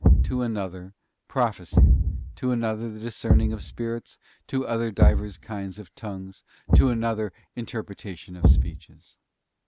.. to another prophecy, to another the discerning of spirits, to another divers kinds of tongues, to another interpretation of speeches.